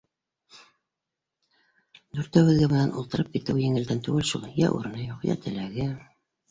Дүртәүбеҙгә бынан ултырып китеүе еңелдән түгел шул: йә урыны юҡ, йә теләге.